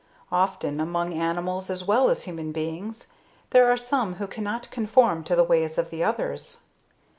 Often among animals as well as human beings there are some who cannot conform to the ways of the others.